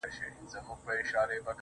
عندلیب = بلبل، چوڼی، خاچوڼی